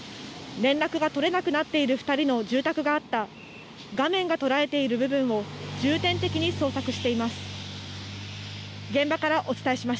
連絡が取れなくなっている２人の住宅があった画面が捉えている部分を重点的に捜索しています。